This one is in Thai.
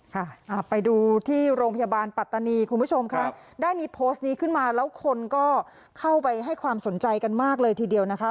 ค่ะไปดูที่โรงพยาบาลปัตตานีคุณผู้ชมค่ะได้มีโพสต์นี้ขึ้นมาแล้วคนก็เข้าไปให้ความสนใจกันมากเลยทีเดียวนะคะ